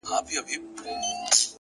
• د دښمن کره ځم دوست مي ګرو دی ,